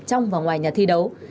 trong và ngoài nhà thi đấu